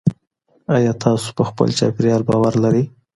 آيا تاسو په خپل چاپېريال باور لرئ؟